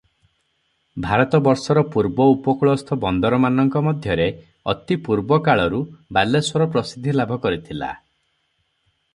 ଭାରତବର୍ଷର ପୂର୍ବ ଉପକୂଳସ୍ଥ ବନ୍ଦରମାନଙ୍କ ମଧ୍ୟରେ ଅତି ପୂର୍ବକାଳରୁ ବାଲେଶ୍ୱର ପ୍ରସିଦ୍ଧି ଲାଭ କରିଥିଲା ।